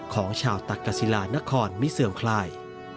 ของชาวตักกษิลานครไม่เสื่อมคลาย